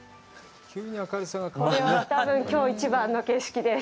これは多分きょう一番の景色です。